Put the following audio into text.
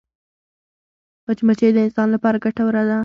مچمچۍ د انسان لپاره ګټوره ده